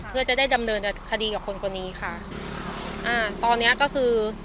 เพื่อจะได้ดำเนินคดีกับคนคนนี้ค่ะอ่าตอนเนี้ยก็คือ